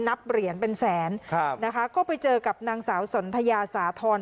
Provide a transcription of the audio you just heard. นับเหรียญเป็นแสนครับนะคะก็ไปเจอกับนางสาวสนทยาสาธรณ์